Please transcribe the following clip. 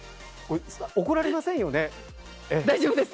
怒られませんよね。